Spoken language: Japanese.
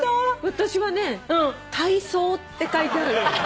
私はね「たいそう」って書いてある。